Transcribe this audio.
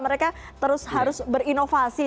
mereka terus harus berinovasi